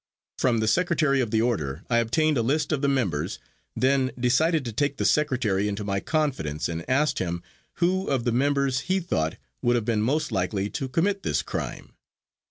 From the secretary of the order I obtained a list of the members, then decided to take the secretary into my confidence and asked him who of the members he thought would have been most likely to commit this crime.